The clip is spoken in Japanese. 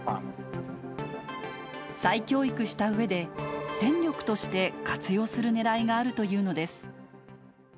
再教育したうえで、戦力として活用するねらいがあるというのです。